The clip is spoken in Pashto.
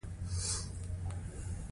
اکثرو یې له کسب او کمال لارې ډوډۍ خوړله.